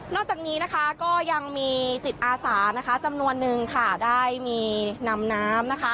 จากนี้นะคะก็ยังมีจิตอาสานะคะจำนวนนึงค่ะได้มีนำน้ำนะคะ